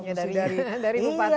iya dari bupatinya